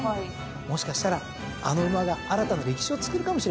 もしかしたらあの馬が新たな歴史をつくるかもしれませんよ。